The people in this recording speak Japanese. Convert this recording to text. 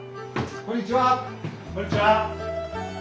・こんにちは！